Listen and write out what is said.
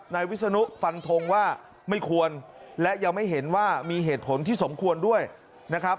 นายวิศนุฟันทงว่าไม่ควรและยังไม่เห็นว่ามีเหตุผลที่สมควรด้วยนะครับ